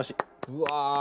うわ！